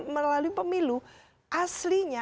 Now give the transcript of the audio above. melalui pemilu aslinya